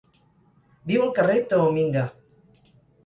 Viu al carrer Toominga.